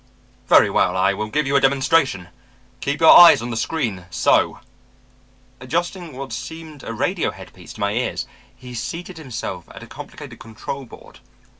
Very well, I will give you a demonstration. Keep your eyes on the screen so ' "Adjusting what seemed a radio headpiece to my ears, he seated himself at a complicated control board.